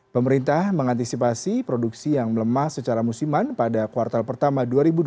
pemerintah mengantisipasi produksi yang melemah secara musiman pada kuartal pertama dua ribu dua puluh